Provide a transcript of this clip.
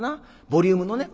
ボリュームのね